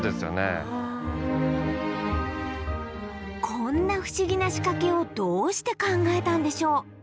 こんな不思議な仕掛けをどうして考えたんでしょう？